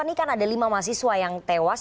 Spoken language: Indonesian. ini kan ada lima mahasiswa yang tewas